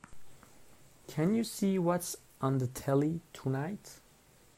Can you see what's on the telly tonight?